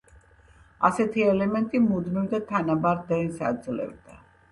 ასეთი ელემენტი მუდმივ და თანაბარ დენს აძლევდა.